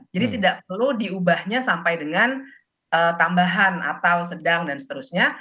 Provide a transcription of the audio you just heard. jadi tidak perlu diubahnya sampai dengan tambahan atau sedang dan seterusnya